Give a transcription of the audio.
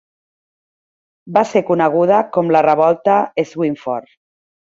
Va ser coneguda com la "Revolta Swinford".